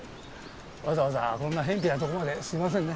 わざわざこんな辺鄙な所まですみませんね。